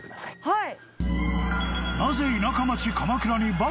はい。